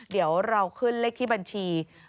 เดี๋ยวเราขึ้นเลขที่บัญชี